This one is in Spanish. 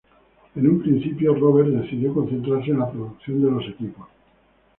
En un principio, Roberts decidió concentrarse en la producción de los equipos.